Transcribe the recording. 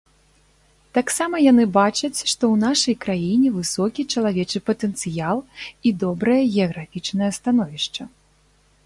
Таксама яны бачаць, што ў нашай краіне высокі чалавечы патэнцыял і добрае геаграфічнае становішча.